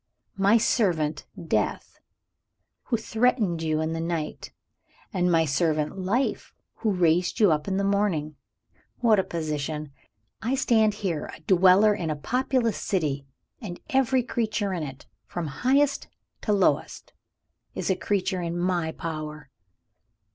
My servant Death, who threatened you in the night; and my servant Life, who raised you up in the morning. What a position! I stand here, a dweller in a populous city and every creature in it, from highest to lowest, is a creature in my power!"